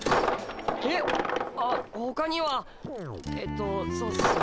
えっ？あほかにはえっとそうっすね